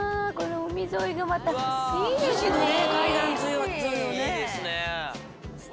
海沿いがまたいいですね。